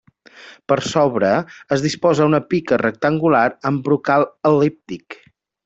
Per sobre, es disposa una pica rectangular amb brocal el·líptic.